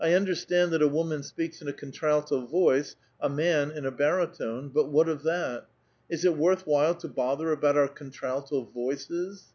J understand that a woman speaks in a contralto voice, — a man, in a baritone ; but what of that? Is it worth while to ,' bother about our contralto voices